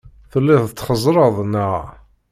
Telliḍ txeẓẓreḍ, neɣ?